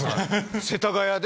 世田谷で？